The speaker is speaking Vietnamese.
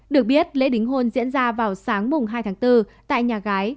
được biết lễ đính hôn diễn ra vào sáng mùng hai tháng bốn tại nhà gái